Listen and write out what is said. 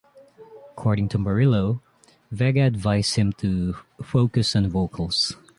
According to Morillo, Vega advised him to "focus on vocals".